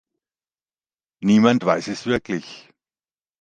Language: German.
Niemand weiß es wirklich.